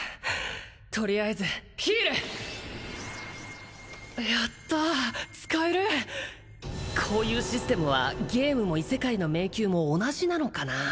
とりあえずヒールやった使えるこういうシステムはゲームも異世界の迷宮も同じなのかな